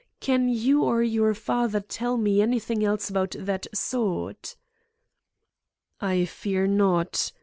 Can you or your father tell me anything else about that sword?" "I fear not.